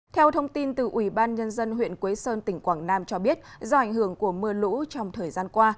theo thông tin từ ủy ban nhân dân huyện quế sơn tỉnh quảng nam cho biết do ảnh hưởng của mưa lũ trong thời gian qua